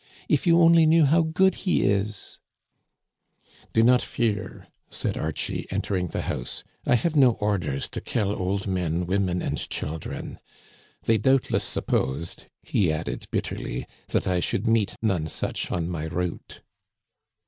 If you only knew how good he is !"" Do not fear," said Archie, entering the house, " I have no orders to kill old men, women, and children. They doubtless supposed," he added bitterly, " that I should meet none such on my route."